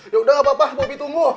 yaudah apa apa bobby tunggu